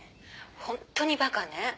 ホントにバカね。